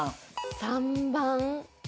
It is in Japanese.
３番。